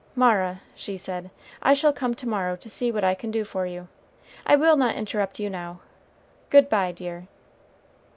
"Mara," she said, "I shall come to morrow to see what I can do for you. I will not interrupt you now. Good by, dear."